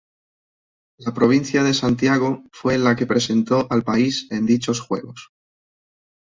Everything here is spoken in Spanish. La provincia de Santiago fue la que representó al país en dichos juegos.